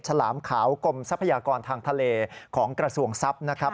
ฉลามขาวกรมทรัพยากรทางทะเลของกระทรวงทรัพย์นะครับ